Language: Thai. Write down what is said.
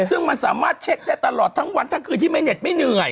ซึ่งมันสามารถเช็คได้ตลอดทั้งวันทั้งคืนที่ไม่เหน็ดไม่เหนื่อย